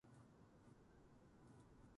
沖縄はスギ花粉がなくて快適